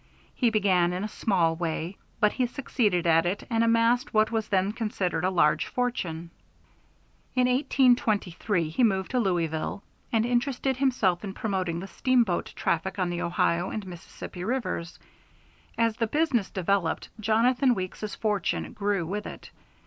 He began in a small way, but he succeeded at it, and amassed what was then considered a large fortune. In 1823 he moved to Louisville, and interested himself in promoting the steamboat traffic on the Ohio and Mississippi rivers. As the business developed, Jonathan Weeks's fortune grew with it.